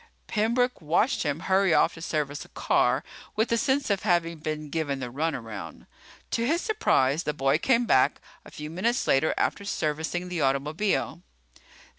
Pembroke watched him hurry off to service a car with a sense of having been given the runaround. To his surprise, the boy came back a few minutes later after servicing the automobile.